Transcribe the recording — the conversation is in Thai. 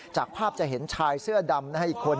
จากภาพจะเห็นชายเสื้อดำนะครับ